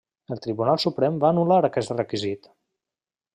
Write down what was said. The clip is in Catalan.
El Tribunal Suprem va anul·lar aquest requisit.